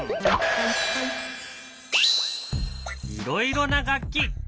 いろいろな楽器。